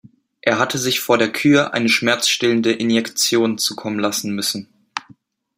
Er hatte sich vor der Kür eine schmerzstillende Injektion zukommen lassen müssen.